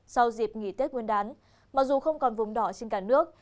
sau dịp nghỉ tết nguyên đán mặc dù không còn vùng đỏ trên cả nước